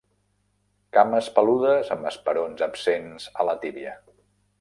Cames peludes amb esperons absents a la tíbia.